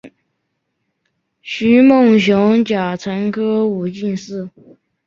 徐梦熊甲辰科武进士。